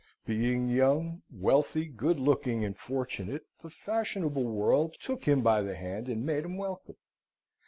Being young, wealthy, good looking, and fortunate, the fashionable world took him by the hand and made him welcome.